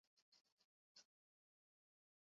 Difrakzioa deritzo azken fenomeno horri.